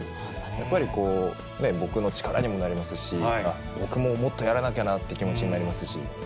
やっぱりこう、ね、僕の力にもなりますし、僕ももっとやらなきゃなって気持ちになりますし。